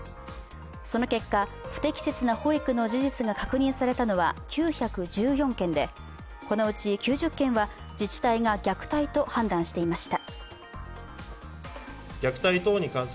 その結果、不適切な保育の事実が確認されたのは９１４件でこのうち９０件は自治体が虐待と判断していました。